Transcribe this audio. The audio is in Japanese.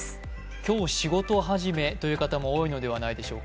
今日仕事始めという方も多いのではないでしょうか。